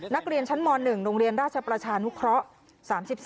นักเรียนชั้นม๑โรงเรียนราชประชานุเคราะห์